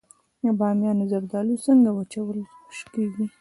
د بامیان زردالو څنګه وچول کیږي؟